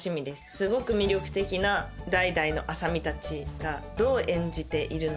すごく魅力的な代々の麻美たちがどう演じているのか。